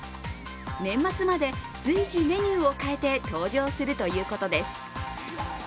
年末まで随時メニューを変えて登場するということです。